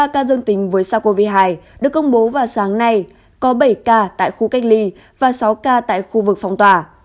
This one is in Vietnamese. ba ca dương tính với sars cov hai được công bố vào sáng nay có bảy ca tại khu cách ly và sáu ca tại khu vực phong tỏa